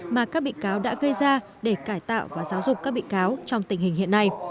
mà các bị cáo đã gây ra để cải tạo và giáo dục các bị cáo trong tình hình hiện nay